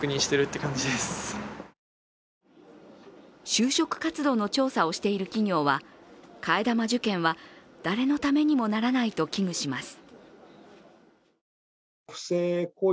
就職活動の調査をしている企業は替え玉受検は誰のためにもならないと危惧します。